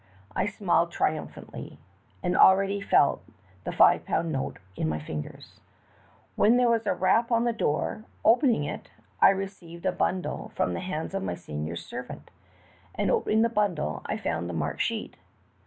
I smiled triumphantly, and already felt the five pound note in my fingers, when there was a rap on the door. Opening it, I reeeived a bundle from the hands of my senior's servant, and opening the bundle, I found the marked sheet.